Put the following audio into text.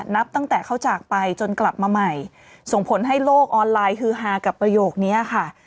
นับตั้งแต่เขาจากไปจนกลับมาใหม่ส่งผลให้โลกออนไลน์ฮือฮากับประโยคนี้ค่ะ